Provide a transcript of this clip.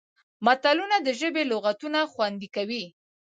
متلونه د ژبې لغتونه خوندي کوي